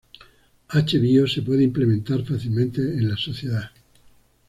H-Bio se puede implementar fácilmente en la sociedad.